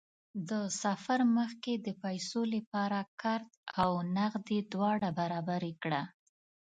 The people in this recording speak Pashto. د سفر مخکې د پیسو لپاره کارت او نغدې دواړه برابرې کړه.